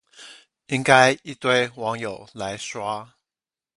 應該一堆網友來刷